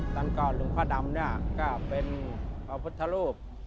ตอนก่อนหลวงพ่อดำเนี่ยก็เป็นพระพุทธรูป